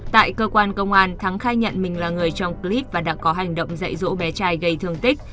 tại cơ quan công an thắng khai nhận mình là người trong clip và đã có hành động dạy dỗ bé trai gây thương tích